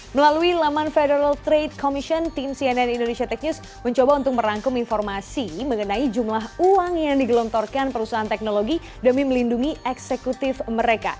melalui laman federal trade commission tim cnn indonesia tech news mencoba untuk merangkum informasi mengenai jumlah uang yang digelontorkan perusahaan teknologi demi melindungi eksekutif mereka